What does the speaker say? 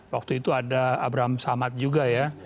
waktu itu ada abraham samad juga ya